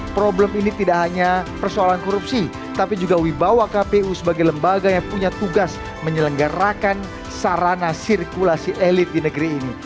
problem ini tidak hanya persoalan korupsi tapi juga wibawa kpu sebagai lembaga yang punya tugas menyelenggarakan sarana sirkulasi elit di negeri ini